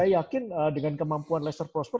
saya yakin dengan kemampuan leicester prosper